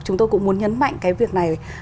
chúng tôi cũng muốn nhấn mạnh cái việc này